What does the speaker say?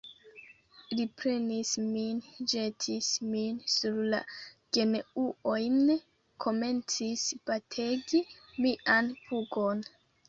Li prenis min, ĵetis min sur la genuojn, komencis bategi mian pugon.